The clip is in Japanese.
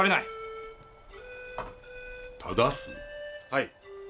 はい。